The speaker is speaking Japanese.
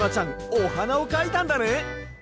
おはなをかいたんだね！